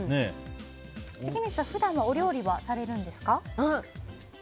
関水さん、普段はお料理はされるんですか？